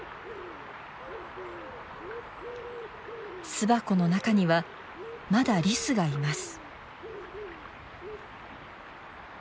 巣箱の中にはまだリスがいます。